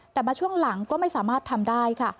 แต่มาช่วงหลังก็ไม่สามารถทำได้ค่ะ